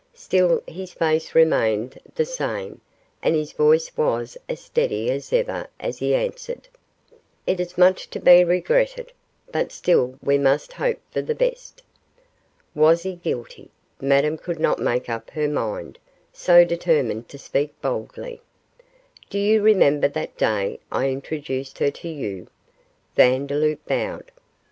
Still his face remained the same, and his voice was as steady as ever as he answered 'It is much to be regretted; but still we must hope for the best.' Was he guilty? Madame could not make up her mind, so determined to speak boldly. 'Do you remember that day I introduced her to you?' Vandeloup bowed.